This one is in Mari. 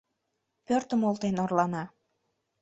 Пӧртым олтен орлана.